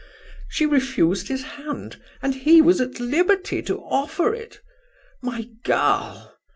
She refused his hand, and he was at liberty to offer it? My girl!